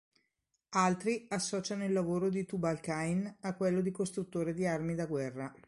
Altri associano il lavoro di Tubal-cain a quello di costruttore di armi da guerra.